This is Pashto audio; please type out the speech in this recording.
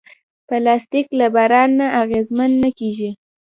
پلاستيک له باران نه اغېزمن نه کېږي.